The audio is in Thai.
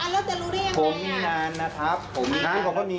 แล้วจะรู้ได้ยังไงผมมีนานนะครับ